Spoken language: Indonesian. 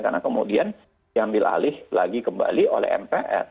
karena kemudian diambil alih lagi kembali oleh mpr